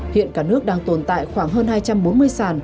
hiện cả nước đang tồn tại khoảng hơn hai trăm bốn mươi sản